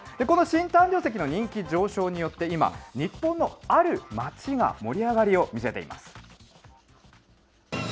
この新誕生石の人気上昇によって、今、日本のある街が盛り上がりを見せています。